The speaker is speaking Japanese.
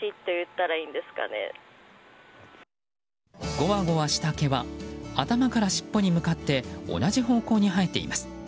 ごわごわとした毛は頭からしっぽに向かって同じ方向に生えています。